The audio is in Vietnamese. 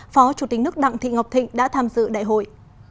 phó chủ tịch nước đặng thị ngọc thịnh đã tham dự đại hội